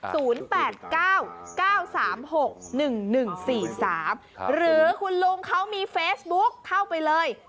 หรือคุณลุงเขามีเฟซบุ๊กเข้าไปเลย